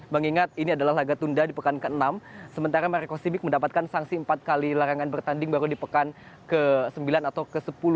mengingat ini adalah laga tunda di pekan ke enam sementara marco sibik mendapatkan sanksi empat kali larangan bertanding baru di pekan ke sembilan atau ke sepuluh